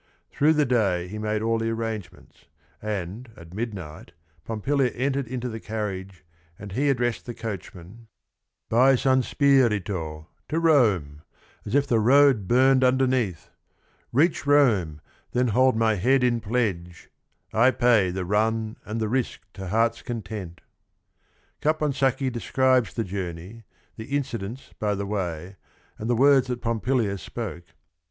Through the day he made all the arrangements, and at midnight Pompilia entered into the car riage, and he addressed the coachman : "By San Spirito, To Rome, as if the road burned underneath ! Reach Rome, then hold my head in pledge, I pay The run and the risk to heart's content I " Capon sacchi describes the journey, th e in cidents by the way, and the words that Pompilia spoke.